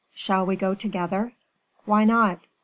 "Shall we go together?" "Why not?"